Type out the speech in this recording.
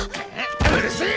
うるせえ！